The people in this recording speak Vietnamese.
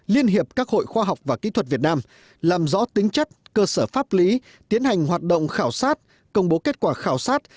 liên hiệp các hội khoa học và kỹ thuật việt nam làm rõ tính chất cơ sở pháp lý tiến hành hoạt động khảo sát công bố kết quả khảo sát